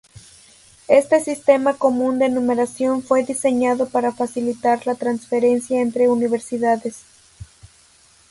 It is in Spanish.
Este sistema común de numeración fue diseñado para facilitar la transferencia entre universidades.